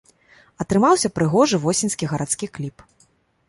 Атрымаўся прыгожы восеньскі гарадскі кліп.